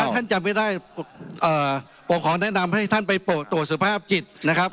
ต้องให้พวกของแนะนำใจอยู่ว่าท่านอยู่ดูสภาพจิต